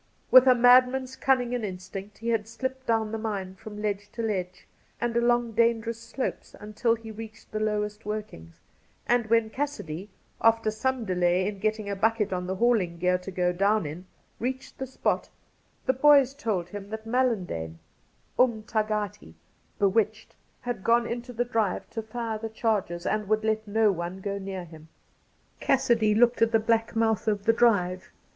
With a madman's cunning and instinct he had slipped down the mine from ledge to ledge and along dangerous slopes until he reached the lowest workings, and when Cassidy, after some delay in getting a bucket on the hauling gear to go down in, reached the spot, the boys told him that Mallan dane 'umtagati' (bewitched) had gone into the 11—2 1 64 Cassidy drive to fire the charges, and would let no one go near him. Cassidy looked at the black mouth of the drive.